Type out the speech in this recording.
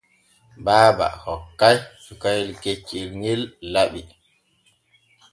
Baaba hokkay sukayel keccel ŋel laɓi.